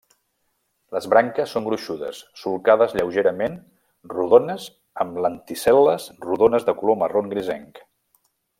Les branques són gruixudes, solcades lleugerament, rodones, amb lenticel·les rodones de color marró grisenc.